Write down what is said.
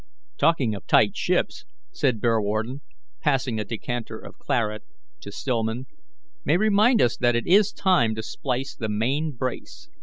"Talking of tight ships," said Bearwarden, passing a decanter of claret to Stillman, "may remind us that it is time to splice the 'main brace.'